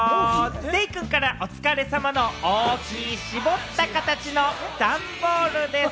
デイくんから、お疲れさまの大きい絞った形の段ボールです。